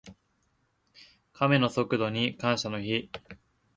カメの速度に感謝の日。